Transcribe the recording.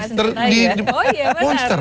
kalau robot monster